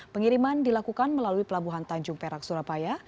pengiriman dilakukan melalui pelabuhan tanjung perak surabaya